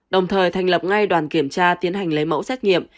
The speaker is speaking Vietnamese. đồng thời thành lập ngay đoàn kiểm tra tiến hành lấy mẫu xét nghiệm